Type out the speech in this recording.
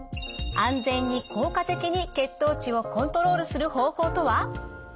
安全に効果的に血糖値をコントロールする方法とは？